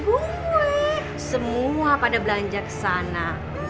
bu semua pada belanja ke sana